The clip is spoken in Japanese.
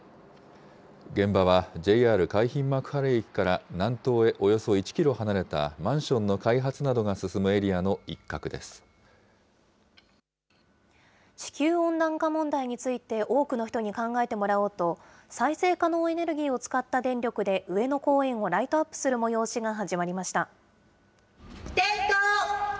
現場はＪＲ海浜幕張駅から南東へおよそ１キロ離れたマンションの地球温暖化問題について、多くの人に考えてもらおうと、再生可能エネルギーを使った電力で上野公園をライトアップする催しが始まりました。